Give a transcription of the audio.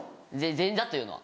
前座というのは？